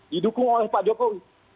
didukung oleh pak jokowi